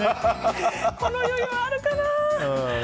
この余裕あるかな。